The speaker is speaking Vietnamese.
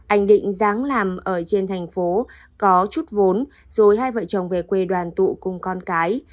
anh định dáng làm ở trên thành phố có chút vốn rồi hai vợ chồng về quê đoàn tụ cùng con cái